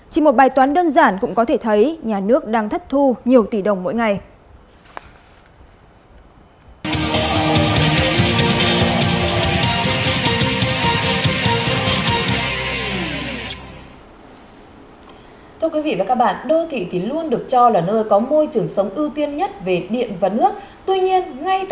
chỉ một bài toán đơn giản cũng có thể thấy nhà nước đang thất thu nhiều tỷ đồng mỗi ngày